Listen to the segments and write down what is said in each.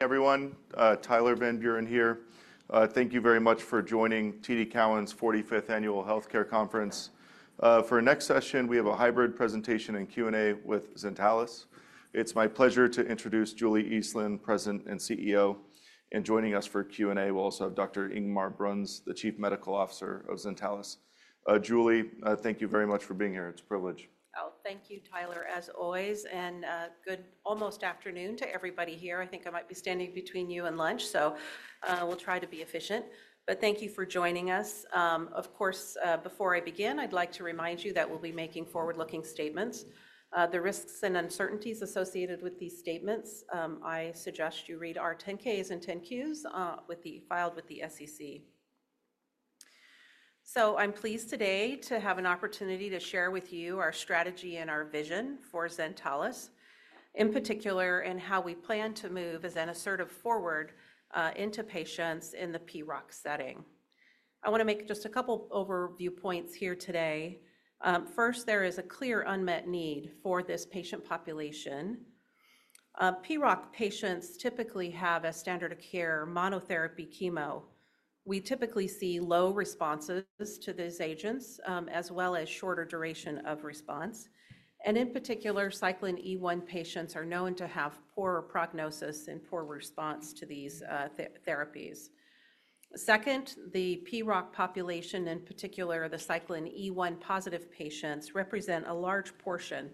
All right. Good morning, everyone. Tyler Van Buren here. Thank you very much for joining TD Cowen's 45th Annual Healthcare Conference. For our next session, we have a hybrid presentation and Q&A with Zentalis. It's my pleasure to introduce Julie Eastland, President and CEO, and joining us for Q&A. We'll also have Dr. Ingmar Bruns, the Chief Medical Officer of Zentalis. Julie, thank you very much for being here. It's a privilege. Oh, thank you, Tyler, as always. Good almost afternoon to everybody here. I think I might be standing between you and lunch, so we'll try to be efficient. Thank you for joining us. Of course, before I begin, I'd like to remind you that we'll be making forward-looking statements. The risks and uncertainties associated with these statements, I suggest you read our 10-Ks and 10-Qs filed with the SEC. I'm pleased today to have an opportunity to share with you our strategy and our vision for Zentalis, in particular in how we plan to move azenosertib forward into patients in the PROC setting. I want to make just a couple of overview points here today. First, there is a clear unmet need for this patient population. PROC patients typically have a standard of care monotherapy chemo. We typically see low responses to these agents, as well as shorter duration of response. In particular, Cyclin E1 patients are known to have poor prognosis and poor response to these therapies. Second, the PROC population, in particular the Cyclin E1 positive patients, represent a large portion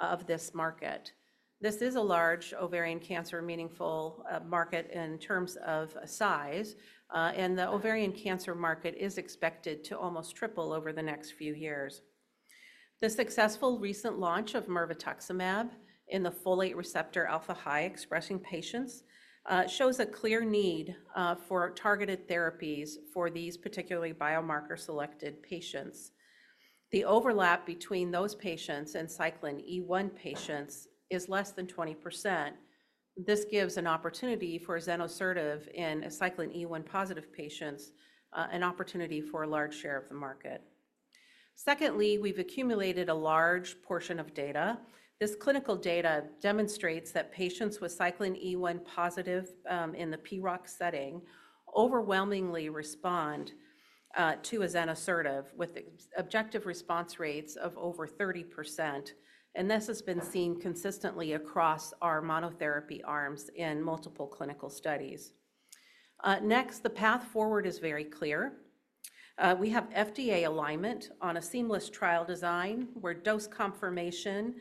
of this market. This is a large ovarian cancer meaningful market in terms of size, and the ovarian cancer market is expected to almost triple over the next few years. The successful recent launch of mirvetuximab in the folate receptor alpha high expressing patients shows a clear need for targeted therapies for these particularly biomarker-selected patients. The overlap between those patients and Cyclin E1 patients is less than 20%. This gives an opportunity for azenosertib in Cyclin E1 positive patients, an opportunity for a large share of the market. Secondly, we've accumulated a large portion of data. This clinical data demonstrates that patients with Cyclin E1 positive in the PROC setting overwhelmingly respond to azenosertib with objective response rates of over 30%. This has been seen consistently across our monotherapy arms in multiple clinical studies. Next, the path forward is very clear. We have FDA alignment on a seamless trial design where dose confirmation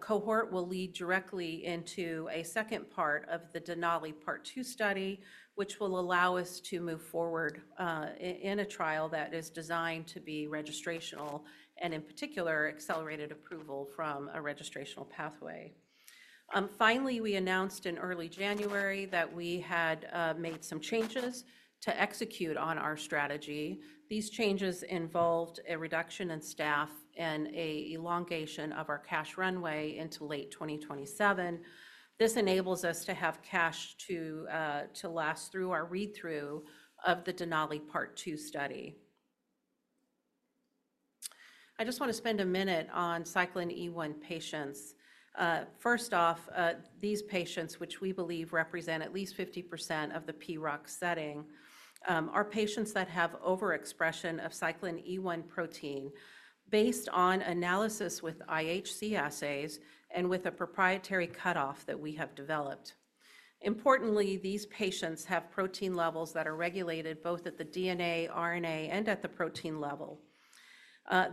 cohort will lead directly into a second part of the Denali Part 2 study, which will allow us to move forward in a trial that is designed to be registrational and, in particular, accelerated approval from a registrational pathway. Finally, we announced in early January that we had made some changes to execute on our strategy. These changes involved a reduction in staff and an elongation of our cash runway into late 2027. This enables us to have cash to last through our read-through of the Denali Part 2 study. I just want to spend a minute on Cyclin E1 patients. First off, these patients, which we believe represent at least 50% of the PROC setting, are patients that have overexpression of Cyclin E1 protein based on analysis with IHC assays and with a proprietary cutoff that we have developed. Importantly, these patients have protein levels that are regulated both at the DNA, RNA, and at the protein level.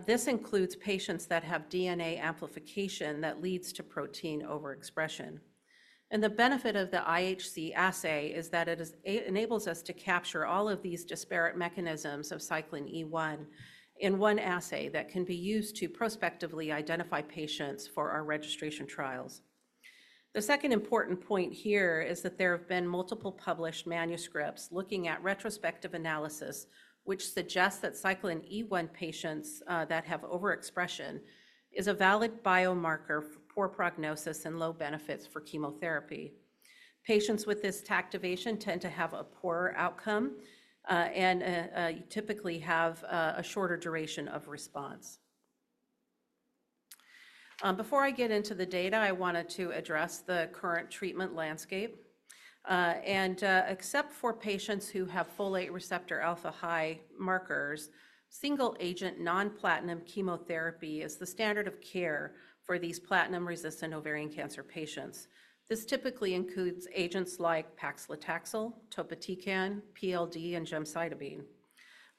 This includes patients that have DNA amplification that leads to protein overexpression. The benefit of the IHC assay is that it enables us to capture all of these disparate mechanisms of Cyclin E1 in one assay that can be used to prospectively identify patients for our registration trials. The second important point here is that there have been multiple published manuscripts looking at retrospective analysis, which suggests that Cyclin E1 patients that have overexpression is a valid biomarker for poor prognosis and low benefits for chemotherapy. Patients with this activation tend to have a poorer outcome and typically have a shorter duration of response. Before I get into the data, I wanted to address the current treatment landscape. Except for patients who have folate receptor alpha high markers, single-agent non-platinum chemotherapy is the standard of care for these platinum-resistant ovarian cancer patients. This typically includes agents like paclitaxel, topotecan, PLD, and gemcitabine.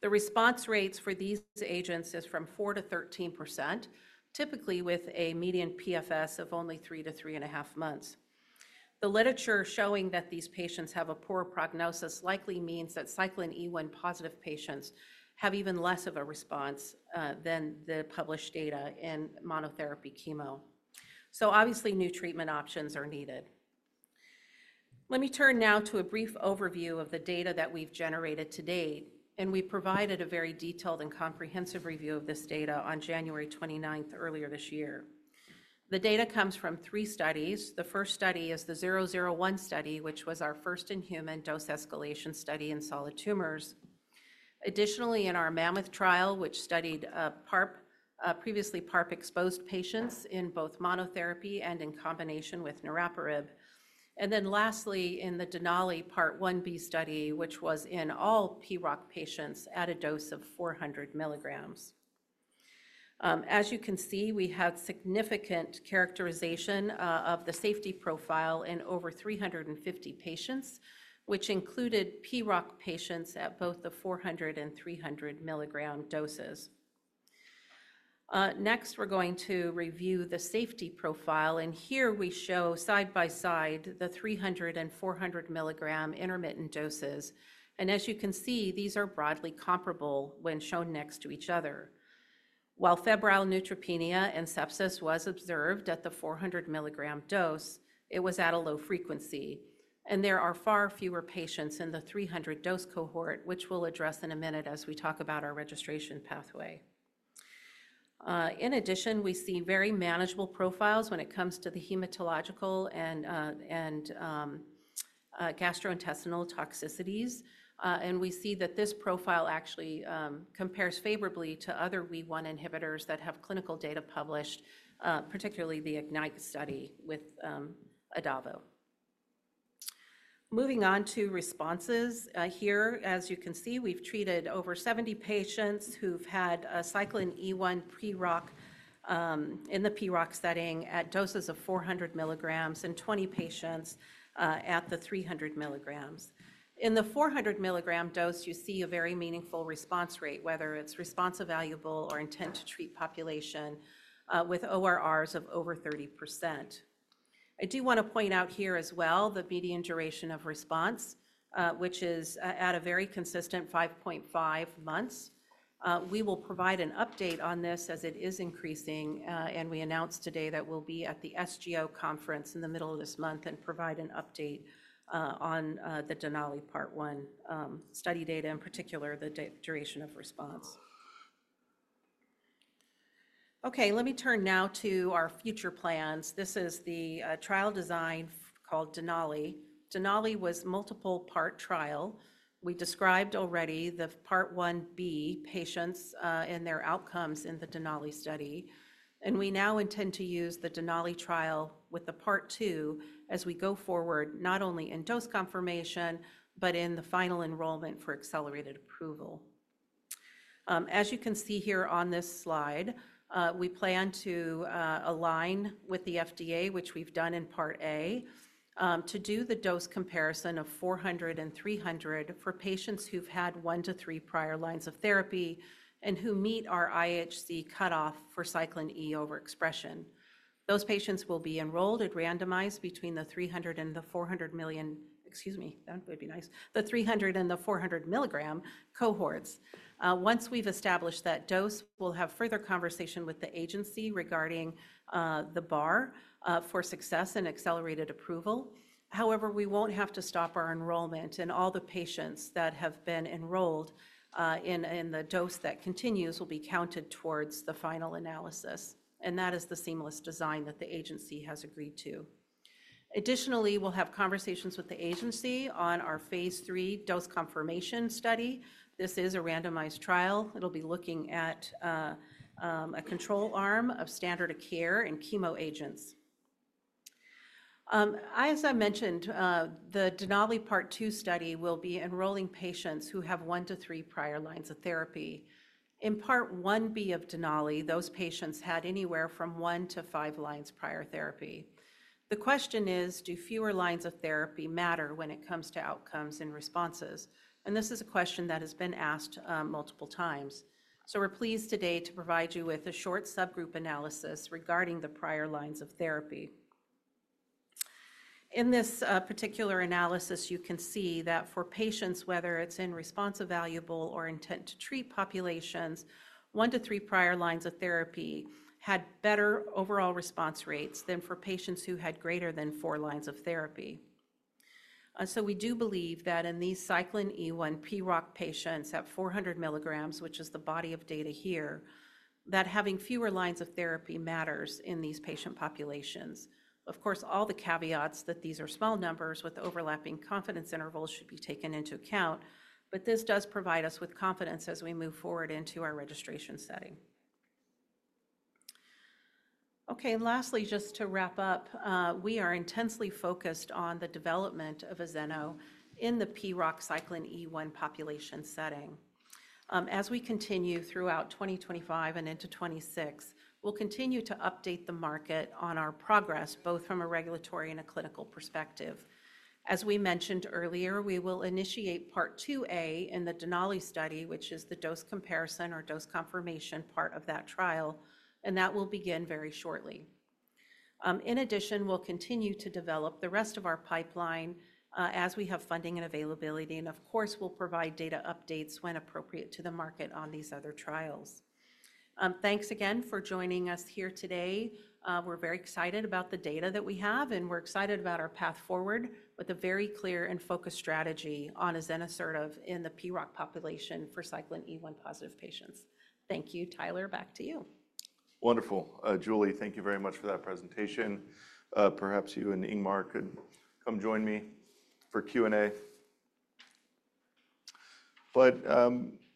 The response rates for these agents are from 4% to 13%, typically with a median PFS of only three to 3.5 months. The literature showing that these patients have a poor prognosis likely means that Cyclin E1 positive patients have even less of a response than the published data in monotherapy chemo. Obviously, new treatment options are needed. Let me turn now to a brief overview of the data that we've generated to date. We provided a very detailed and comprehensive review of this data on January 29, earlier this year. The data comes from three studies. The first study is the 001 study, which was our first in-human dose escalation study in solid tumors. Additionally, in our Mammoth trial, which studied previously PARP-exposed patients in both monotherapy and in combination with niraparib. Lastly, in the Denali Part 1B study, which was in all PROC patients at a dose of 400 milligrams. As you can see, we have significant characterization of the safety profile in over 350 patients, which included PROC patients at both the 400 and 300 mg doses. Next, we're going to review the safety profile. Here we show side by side the 300 and 400 mg intermittent doses. As you can see, these are broadly comparable when shown next to each other. While febrile neutropenia and sepsis were observed at the 400 mg dose, it was at a low frequency. There are far fewer patients in the 300 dose cohort, which we'll address in a minute as we talk about our registration pathway. In addition, we see very manageable profiles when it comes to the hematological and gastrointestinal toxicities. We see that this profile actually compares favorably to other WEE1 inhibitors that have clinical data published, particularly the Ignite study with Adavo. Moving on to responses here, as you can see, we've treated over 70 patients who've had Cyclin E1 PROC in the PROC setting at doses of 400 mg and 20 patients at the 300 mg. In the 400 mg dose, you see a very meaningful response rate, whether it's response evaluable or intent to treat population with ORRs of over 30%. I do want to point out here as well the median duration of response, which is at a very consistent 5.5 months. We will provide an update on this as it is increasing. We announced today that we'll be at the SGO conference in the middle of this month and provide an update on the Denali Part 1 study data, in particular the duration of response. Okay, let me turn now to our future plans. This is the trial design called Denali. Denali was a multiple-part trial. We described already the Part 1B patients and their outcomes in the Denali study. We now intend to use the Denali trial with the Part 2 as we go forward, not only in dose confirmation, but in the final enrollment for accelerated approval. As you can see here on this slide, we plan to align with the FDA, which we've done in Part A, to do the dose comparison of 400 and 300 for patients who've had one to three prior lines of therapy and who meet our IHC cutoff for Cyclin E overexpression. Those patients will be enrolled and randomized between the 300 and the 400 mg cohorts. Once we've established that dose, we'll have further conversation with the agency regarding the bar for success and accelerated approval. However, we won't have to stop our enrollment. All the patients that have been enrolled in the dose that continues will be counted towards the final analysis. That is the seamless design that the agency has agreed to. Additionally, we'll have conversations with the agency on our phase III dose confirmation study. This is a randomized trial. It'll be looking at a control arm of standard of care and chemo agents. As I mentioned, the Denali Part 2 study will be enrolling patients who have one to three prior lines of therapy. In Part 1B of Denali, those patients had anywhere from one to five lines prior therapy. The question is, do fewer lines of therapy matter when it comes to outcomes and responses? This is a question that has been asked multiple times. We're pleased today to provide you with a short subgroup analysis regarding the prior lines of therapy. In this particular analysis, you can see that for patients, whether it's in response evaluable or intent to treat populations, one to three prior lines of therapy had better overall response rates than for patients who had greater than four lines of therapy. We do believe that in these Cyclin E1 PROC patients at 400 mg, which is the body of data here, that having fewer lines of therapy matters in these patient populations. Of course, all the caveats that these are small numbers with overlapping confidence intervals should be taken into account. This does provide us with confidence as we move forward into our registration setting. Okay, lastly, just to wrap up, we are intensely focused on the development of azeno in the PROC Cyclin E1 population setting. As we continue throughout 2025 and into 2026, we'll continue to update the market on our progress, both from a regulatory and a clinical perspective. As we mentioned earlier, we will initiate Part 2A in the Denali study, which is the dose comparison or dose confirmation part of that trial. That will begin very shortly. In addition, we'll continue to develop the rest of our pipeline as we have funding and availability. Of course, we'll provide data updates when appropriate to the market on these other trials. Thanks again for joining us here today. We're very excited about the data that we have, and we're excited about our path forward with a very clear and focused strategy on azenosertib in the PROC population for Cyclin E1 positive patients. Thank you, Tyler. Back to you. Wonderful. Julie, thank you very much for that presentation. Perhaps you and Ingmar could come join me for Q&A.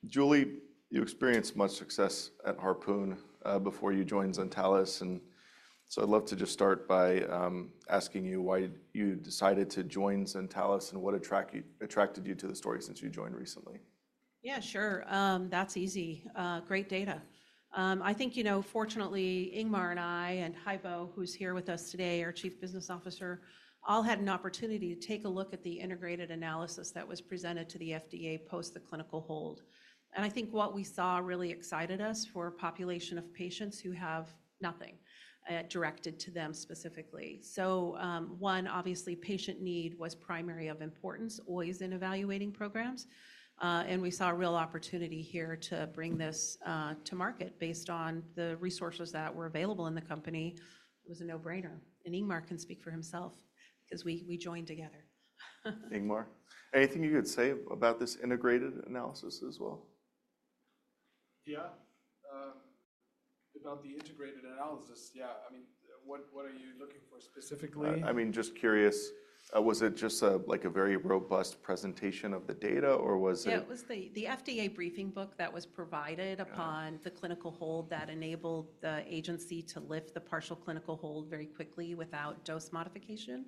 Julie, you experienced much success at Harpoon before you joined Zentalis. I would love to just start by asking you why you decided to join Zentalis and what attracted you to the story since you joined recently. Yeah, sure. That's easy. Great data. I think, you know, fortunately, Ingmar and I and Haibo, who's here with us today, our Chief Business Officer, all had an opportunity to take a look at the integrated analysis that was presented to the FDA post the clinical hold. I think what we saw really excited us for a population of patients who have nothing directed to them specifically. One, obviously, patient need was primary of importance always in evaluating programs. We saw a real opportunity here to bring this to market based on the resources that were available in the company. It was a no-brainer. Ingmar can speak for himself because we joined together. Ingmar, anything you could say about this integrated analysis as well? Yeah. About the integrated analysis, yeah. I mean, what are you looking for specifically? I mean, just curious, was it just like a very robust presentation of the data or was it? Yeah, it was the FDA briefing book that was provided upon the clinical hold that enabled the agency to lift the partial clinical hold very quickly without dose modification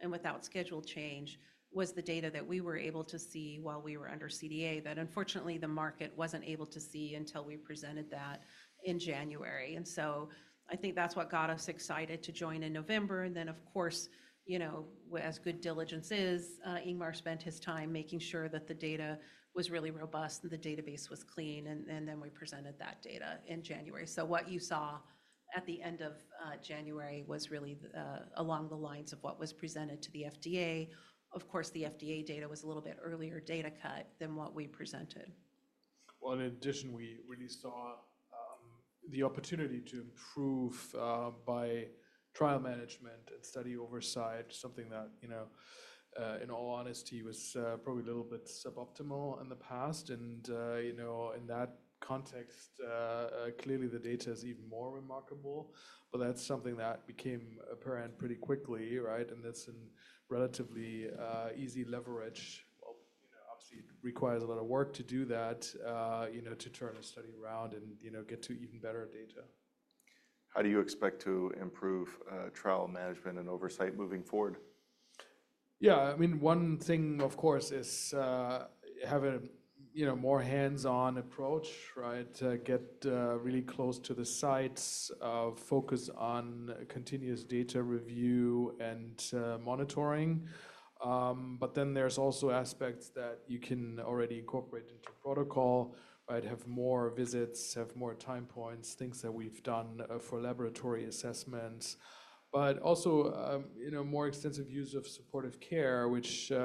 and without schedule change. It was the data that we were able to see while we were under CDA that unfortunately the market was not able to see until we presented that in January. I think that's what got us excited to join in November. Of course, you know, as good diligence is, Ingmar spent his time making sure that the data was really robust and the database was clean. Then we presented that data in January. What you saw at the end of January was really along the lines of what was presented to the FDA. Of course, the FDA data was a little bit earlier data cut than what we presented. In addition, we really saw the opportunity to improve by trial management and study oversight, something that, you know, in all honesty, was probably a little bit suboptimal in the past. You know, in that context, clearly the data is even more remarkable. That's something that became apparent pretty quickly, right? That's a relatively easy leverage. Obviously it requires a lot of work to do that, you know, to turn a study around and, you know, get to even better data. How do you expect to improve trial management and oversight moving forward? Yeah, I mean, one thing, of course, is having a more hands-on approach, right? Get really close to the sites, focus on continuous data review and monitoring. There are also aspects that you can already incorporate into protocol, right? Have more visits, have more time points, things that we've done for laboratory assessments. Also, you know, more extensive use of supportive care, which, you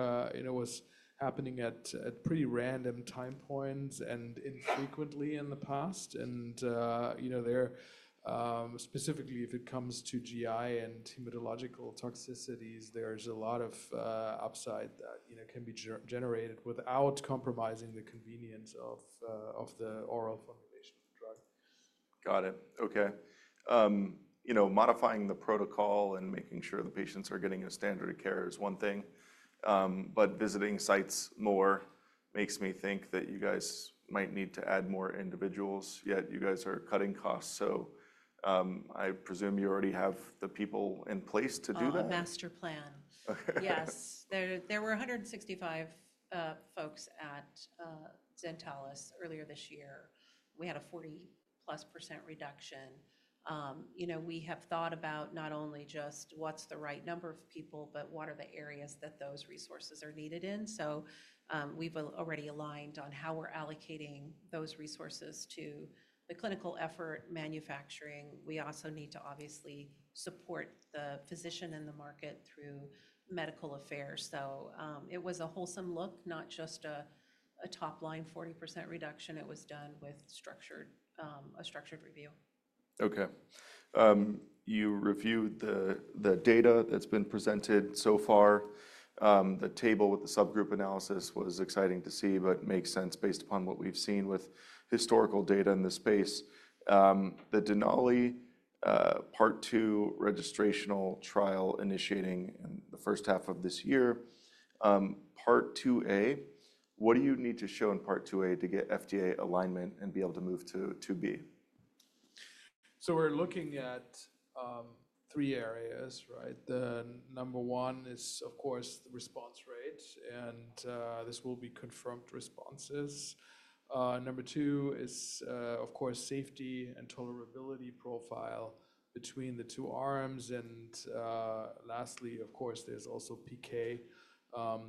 know, was happening at pretty random time points and infrequently in the past. You know, there specifically, if it comes to GI and hematological toxicities, there is a lot of upside that, you know, can be generated without compromising the convenience of the oral formulation of the drug. Got it. Okay. You know, modifying the protocol and making sure the patients are getting a standard of care is one thing. Visiting sites more makes me think that you guys might need to add more individuals. Yet you guys are cutting costs. I presume you already have the people in place to do that. We have a master plan. Yes. There were 165 folks at Zentalis earlier this year. We had a 40+% reduction. You know, we have thought about not only just what is the right number of people, but what are the areas that those resources are needed in. We've already aligned on how we're allocating those resources to the clinical effort manufacturing. We also need to obviously support the physician in the market through medical affairs. It was a wholesome look, not just a top-line 40% reduction. It was done with a structured review. Okay. You reviewed the data that's been presented so far. The table with the subgroup analysis was exciting to see, but makes sense based upon what we've seen with historical data in the space. The Denali Part 2 registrational trial initiating in the first half of this year. Part 2A, what do you need to show in Part 2A to get FDA alignment and be able to move to 2B? We're looking at three areas, right? Number one is, of course, the response rate. And this will be confirmed responses. Number two is, of course, safety and tolerability profile between the two arms. Lastly, of course, there's also PK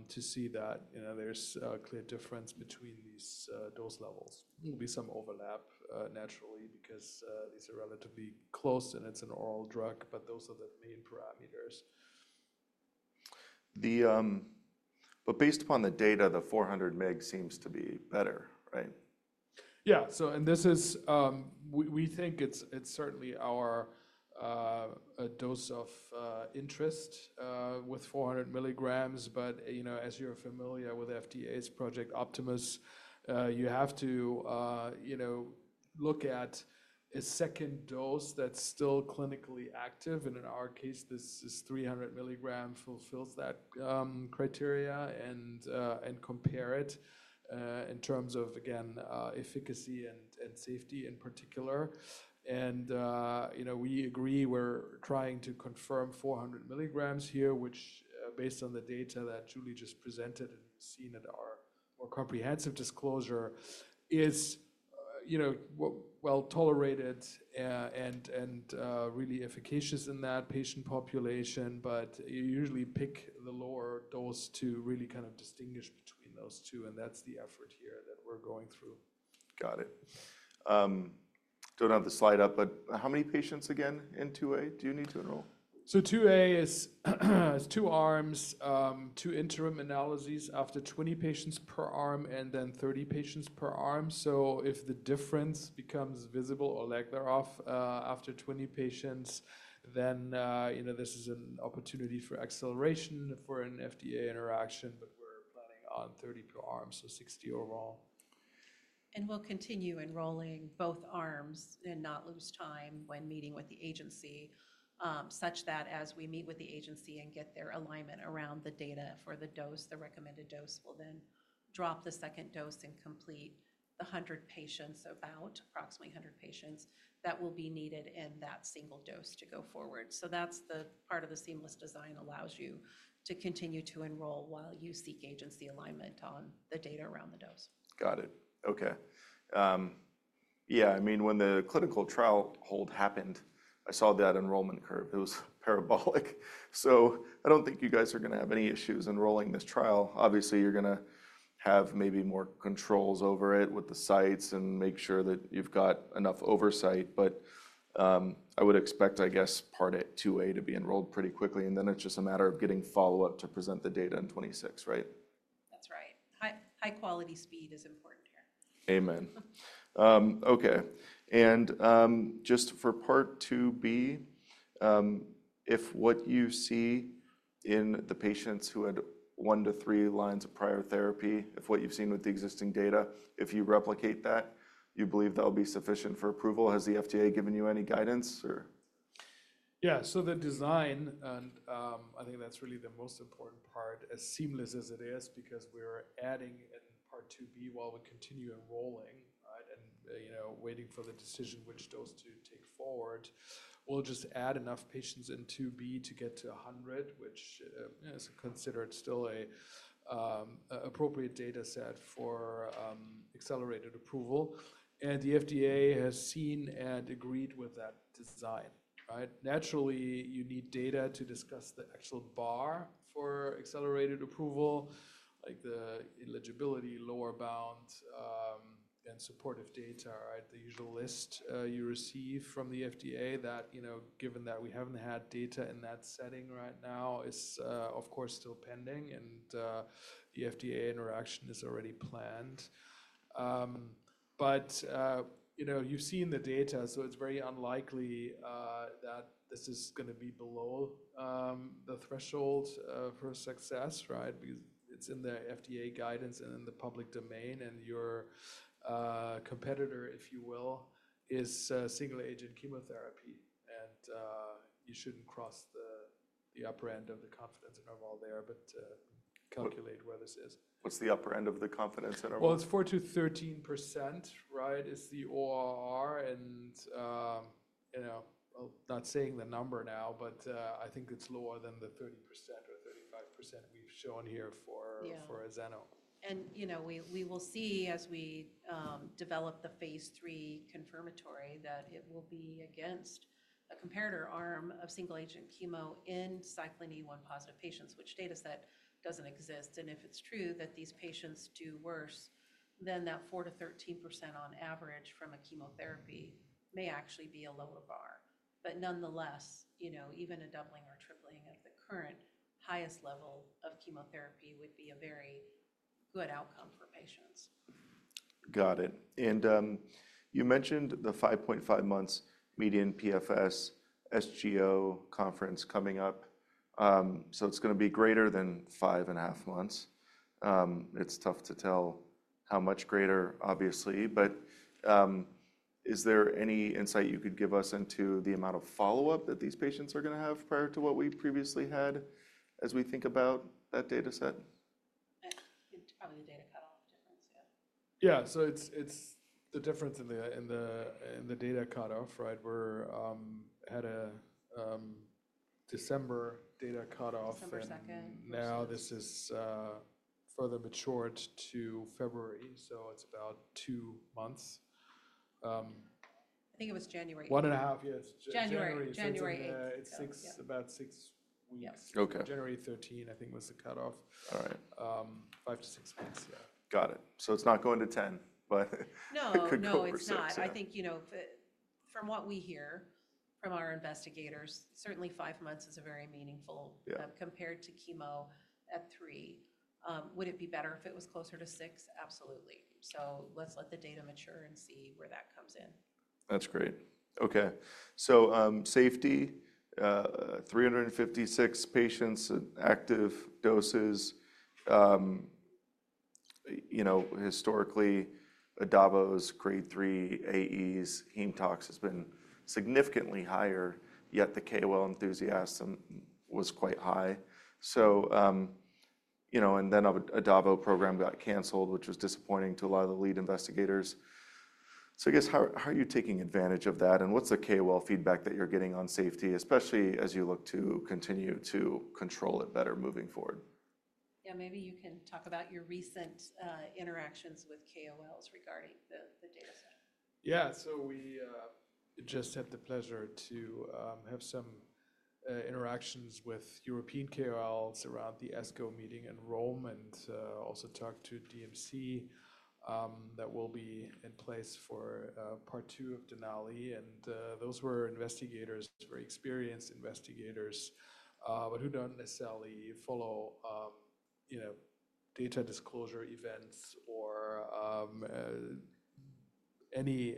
to see that, you know, there's a clear difference between these dose levels. There will be some overlap naturally because these are relatively close and it's an oral drug, but those are the main parameters. Based upon the data, the 400 mg seems to be better, right? Yeah. This is, we think it's certainly our dose of interest with 400 mg. But, you know, as you're familiar with FDA's Project Optimus, you have to, you know, look at a second dose that's still clinically active. In our case, this is 300 mg fulfills that criteria and compare it in terms of, again, efficacy and safety in particular. You know, we agree we're trying to confirm 400 mg here, which based on the data that Julie just presented and seen at our more comprehensive disclosure is, you know, well tolerated and really efficacious in that patient population. You usually pick the lower dose to really kind of distinguish between those two. That is the effort here that we're going through. Got it. Do not have the slide up, but how many patients again in 2A do you need to enroll? 2A is two arms, two interim analyses after 20 patients per arm and then 30 patients per arm. If the difference becomes visible or clear after 20 patients, then, you know, this is an opportunity for acceleration for an FDA interaction. We are planning on 30 per arm, so 60 overall. We will continue enrolling both arms and not lose time when meeting with the agency such that as we meet with the agency and get their alignment around the data for the dose, the recommended dose will then drop the second dose and complete the 100 patients, about approximately 100 patients, that will be needed in that single dose to go forward. That is the part of the seamless design that allows you to continue to enroll while you seek agency alignment on the data around the dose. Got it. Okay. Yeah. I mean, when the clinical trial hold happened, I saw that enrollment curve. It was parabolic. I do not think you guys are going to have any issues enrolling this trial. Obviously, you are going to have maybe more controls over it with the sites and make sure that you have got enough oversight. I would expect, I guess, part 2A to be enrolled pretty quickly. Then it's just a matter of getting follow-up to present the data in 2026, right? That's right. High-quality speed is important here. Amen. Okay. Just for part 2B, if what you see in the patients who had one to three lines of prior therapy, if what you've seen with the existing data, if you replicate that, you believe that'll be sufficient for approval. Has the FDA given you any guidance or? Yeah. The design, and I think that's really the most important part, as seamless as it is, because we're adding in part 2B while we continue enrolling, right? You know, waiting for the decision which dose to take forward. We'll just add enough patients in 2B to get to 100, which is considered still an appropriate data set for accelerated approval. The FDA has seen and agreed with that design, right? Naturally, you need data to discuss the actual bar for accelerated approval, like the eligibility lower bound and supportive data, right? The usual list you receive from the FDA that, you know, given that we haven't had data in that setting right now, it's of course still pending and the FDA interaction is already planned. You know, you've seen the data, so it's very unlikely that this is going to be below the threshold for success, right? Because it's in the FDA guidance and in the public domain. Your competitor, if you will, is single-agent chemotherapy. You shouldn't cross the upper end of the confidence interval there, but calculate where this is. What's the upper end of the confidence interval? It's 4-13%, right? It's the ORR. You know, I'm not saying the number now, but I think it's lower than the 30% or 35% we've shown here for Zeno. You know, we will see as we develop the phase III confirmatory that it will be against a comparator arm of single-agent chemo in Cyclin E1 positive patients, which data set doesn't exist. If it's true that these patients do worse, then that 4-13% on average from a chemotherapy may actually be a lower bar. Nonetheless, you know, even a doubling or tripling of the current highest level of chemotherapy would be a very good outcome for patients. Got it. You mentioned the 5.5 months median PFS SGO conference coming up. It's going to be greater than five and a half months. It's tough to tell how much greater, obviously. Is there any insight you could give us into the amount of follow-up that these patients are going to have prior to what we previously had as we think about that data set? It's probably the data cut-off difference, yeah. Yeah. It's the difference in the data cut-off, right? We had a December data cut-off. December 2. Now this is further matured to February. So it's about two months. I think it was January. One and a half, yes. January. January 8. It's about six weeks. Okay. January 13, I think, was the cut-off. All right. Five to six weeks, yeah. Got it. It's not going to 10, but it could go percent. No, it's not. I think, you know, from what we hear from our investigators, certainly five months is very meaningful compared to chemo at three. Would it be better if it was closer to six? Absolutely. Let the data mature and see where that comes in. That's great. Okay. Safety, 356 patients in active doses. You know, historically, Adavo's grade three AEs heme tox has been significantly higher, yet the KOL enthusiasm was quite high. You know, and then Adavo program got canceled, which was disappointing to a lot of the lead investigators. I guess how are you taking advantage of that? What's the KOL feedback that you're getting on safety, especially as you look to continue to control it better moving forward? Maybe you can talk about your recent interactions with KOLs regarding the data set. 'Yeah. We just had the pleasure to have some interactions with European KOLs around the ESGO meeting enrollment, also talked to DMC that will be in place for part two of Denali. Those were investigators, very experienced investigators, but who do not necessarily follow, you know, data disclosure events or any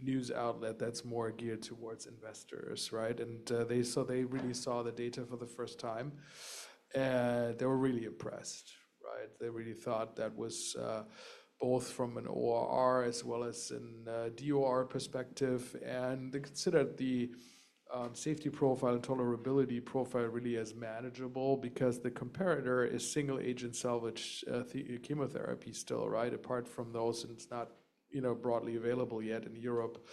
news outlet that is more geared towards investors, right? They really saw the data for the first time. They were really impressed, right? They really thought that was both from an ORR as well as a DOR perspective. They considered the safety profile and tolerability profile really as manageable because the comparator is single-agent salvage chemotherapy still, right? Apart from those, and it is not, you know, broadly available yet in Europe,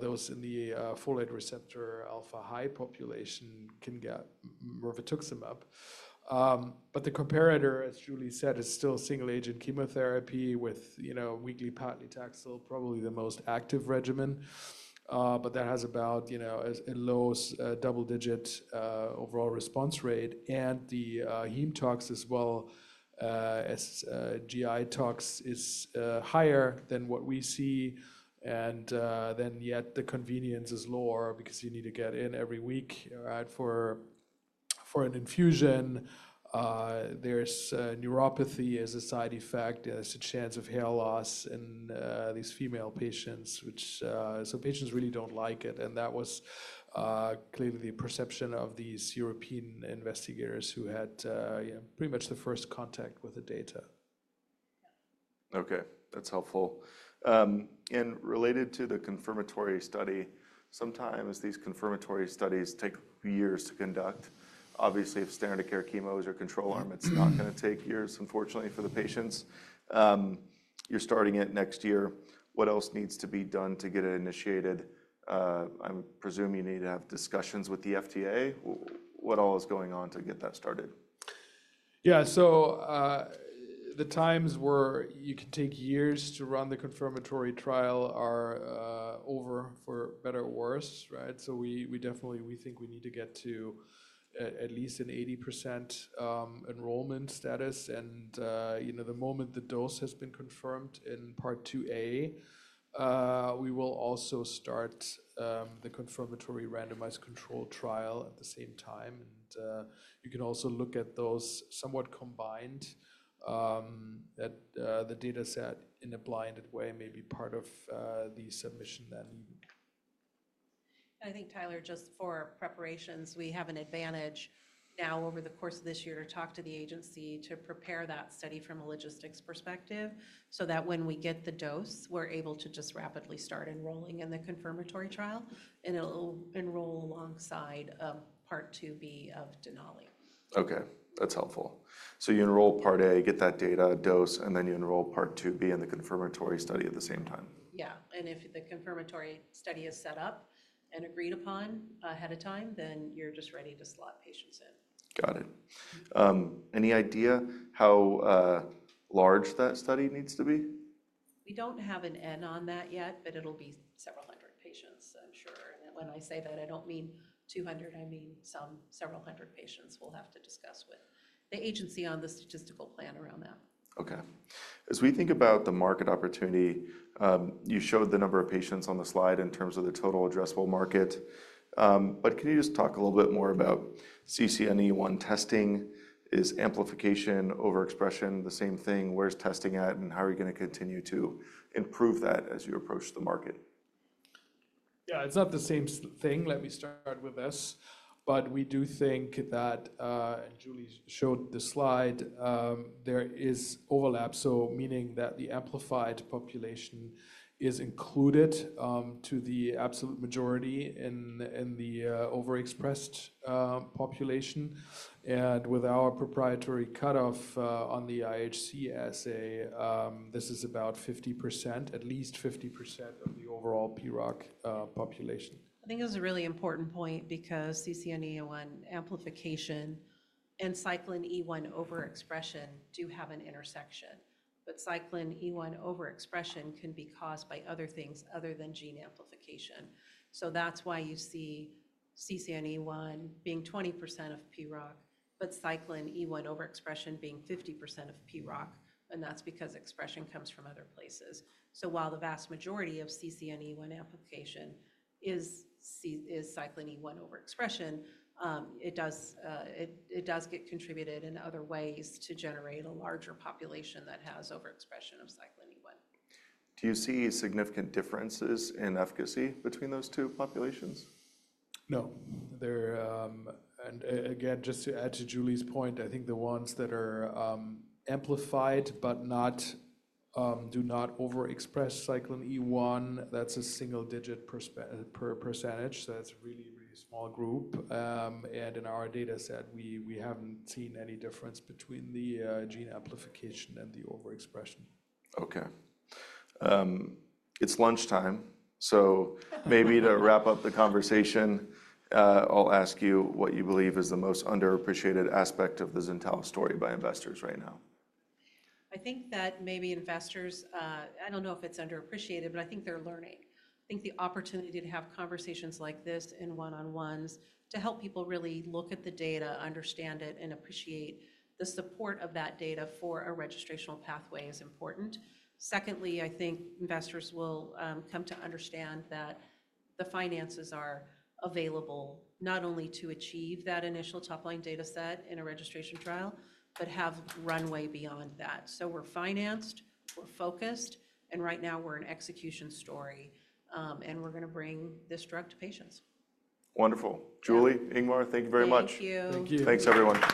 those in the folate receptor alpha high population can get mirvetuximab. The comparator, as Julie said, is still single-agent chemotherapy with, you know, weekly paclitaxel, probably the most active regimen. That has about, you know, a low double-digit overall response rate. The heme tox as well as GI tox is higher than what we see. Yet the convenience is lower because you need to get in every week, right? For an infusion, there's neuropathy as a side effect. There's a chance of hair loss in these female patients, which so patients really don't like it. That was clearly the perception of these European investigators who had pretty much the first contact with the data. Okay. That's helpful. Related to the confirmatory study, sometimes these confirmatory studies take years to conduct. Obviously, if standard of care chemos are control arm, it's not going to take years, unfortunately, for the patients. You're starting it next year. What else needs to be done to get it initiated? I'm presuming you need to have discussions with the FDA. What all is going on to get that started? Yeah. The times where you can take years to run the confirmatory trial are over for better or worse, right? We definitely, we think we need to get to at least an 80% enrollment status. You know, the moment the dose has been confirmed in Part 2A, we will also start the confirmatory randomized control trial at the same time. You can also look at those somewhat combined at the data set in a blinded way, maybe part of the submission then. I think, Tyler, just for preparations, we have an advantage now over the course of this year to talk to the agency to prepare that study from a logistics perspective so that when we get the dose, we're able to just rapidly start enrolling in the confirmatory trial and it'll enroll alongside Part 2B of Denali. Okay. That's helpful. You enroll Part A, get that data dose, and then you enroll Part 2B in the confirmatory study at the same time. Yeah. If the confirmatory study is set up and agreed upon ahead of time, then you're just ready to slot patients in. Got it. Any idea how large that study needs to be? We don't have an end on that yet, but it'll be several hundred patients, I'm sure. When I say that, I don't mean 200. I mean some several hundred patients we'll have to discuss with the agency on the statistical plan around that. Okay. As we think about the market opportunity, you showed the number of patients on the slide in terms of the total addressable market. Can you just talk a little bit more about CCNE1 testing? Is amplification overexpression the same thing? Where's testing at and how are you going to continue to improve that as you approach the market? Yeah, it's not the same thing. Let me start with this. We do think that, and Julie showed the slide, there is overlap. Meaning that the amplified population is included to the absolute majority in the overexpressed population. With our proprietary cutoff on the IHC assay, this is about 50%, at least 50% of the overall PROC population. I think it was a really important point because CCNE1 amplification and Cyclin E1 overexpression do have an intersection. Cyclin E1 overexpression can be caused by other things other than gene amplification. That is why you see CCNE1 being 20% of PROC, but Cyclin E1 overexpression being 50% of PROC. That is because expression comes from other places. While the vast majority of CCNE1 amplification is Cyclin E1 overexpression, it does get contributed in other ways to generate a larger population that has overexpression of Cyclin E1. Do you see significant differences in efficacy between those two populations? No. Again, just to add to Julie's point, I think the ones that are amplified but do not overexpress Cyclin E1, that is a single-digit percentage. That is a really, really small group. In our data set, we have not seen any difference between the gene amplification and the overexpression. Okay. It's lunchtime. Maybe to wrap up the conversation, I'll ask you what you believe is the most underappreciated aspect of the Zentalis story by investors right now. I think that maybe investors, I don't know if it's underappreciated, but I think they're learning. I think the opportunity to have conversations like this in one-on-ones to help people really look at the data, understand it, and appreciate the support of that data for a registrational pathway is important. Secondly, I think investors will come to understand that the finances are available not only to achieve that initial top-line data set in a registration trial, but have runway beyond that. We're financed, we're focused, and right now we're an execution story. We're going to bring this drug to patients. Wonderful. Julie, Ingmar, thank you very much. Thank you. Thank you. Thanks, everyone.